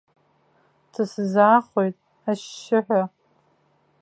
Дысзаахоит ашьшьыҳәа.